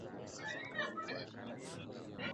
Uchumi shindani ni tija ndio maana kuna sisitizwa sana